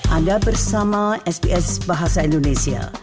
anda bersama sps bahasa indonesia